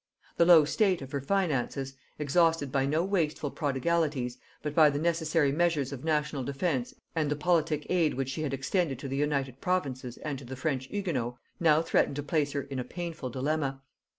The low state of her finances, exhausted by no wasteful prodigalities, but by the necessary measures of national defence and the politic aid which she had extended to the United Provinces and to the French Hugonots, now threatened to place her in a painful dilemma.